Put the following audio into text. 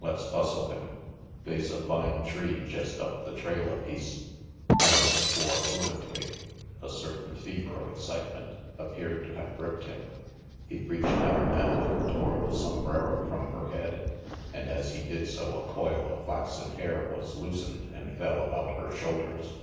"Let's hustle RANGY PETE 209 him. They's a fine tree jest up the trail a piece " Merrill swore fluently. A certain fever of excite ment appeared to have gripped him. He reached out now and tore the sombrero from her head, and as he did so a coil of flaxen hair was loosened and fell about her shoulders.